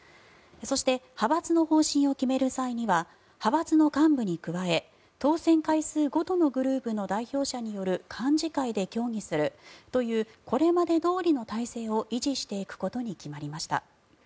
そして派閥の方針を決める際には派閥の幹部に加え当選回数ごとのグループの代表者らによる幹事会で協議するというこれまでどおりの体制を維持していくことに決まりました。